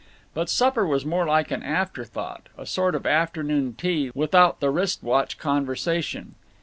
But supper was more like an after thought, a sort of afternoon tea without the wrist watch conversation.